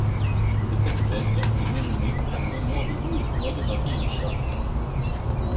Cette espèce est nommée en l'honneur de Louis Claude Marie Richard.